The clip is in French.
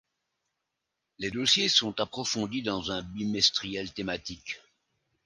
Les dossiers sont approfondis dans un bimestriel thématique.